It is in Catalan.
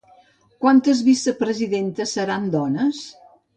Quantes vicepresidentes seran dones?